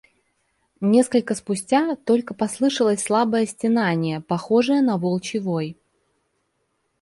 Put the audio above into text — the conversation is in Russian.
Несколько спустя только послышалось слабое стенание, похожее на волчий вой.